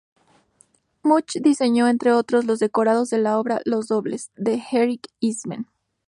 Munch diseñó, entre otros, los decorados de la obra "Los dobles", de Henrik Ibsen.